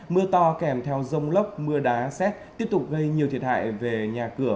mưa to kèm theo rông lốc mưa đá xét tiếp tục gây nhiều thiệt hại về nhà cửa